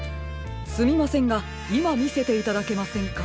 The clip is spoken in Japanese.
すみませんがいまみせていただけませんか？